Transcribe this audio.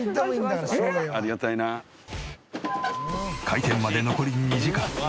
開店まで残り２時間。